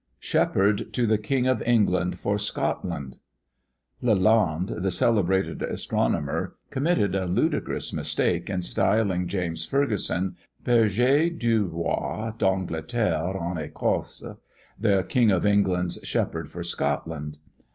"SHEPHERD TO THE KING OF ENGLAND FOR SCOTLAND." Lalande, the celebrated astronomer, committed a ludicrous mistake in styling James Ferguson, Berger du Roi d'Angleterre en Ecosse, the King of England's Shepherd for Scotland.